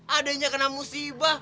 adanya kena musibah